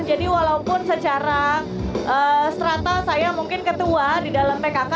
jadi walaupun secara serata saya mungkin ketua di dalam pkk